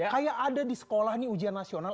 kayak ada di sekolah nih ujian nasional